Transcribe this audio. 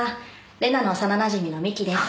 玲奈の幼なじみの美貴です。